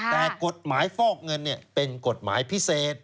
แต่กฎหมายฟอกเงินเป็นกฎหมายพิเศษ